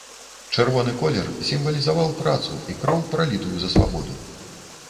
Чырвоны колер сімвалізаваў працу і кроў, пралітую за свабоду.